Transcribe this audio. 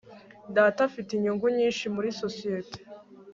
data afite inyungu nyinshi muri sosiyete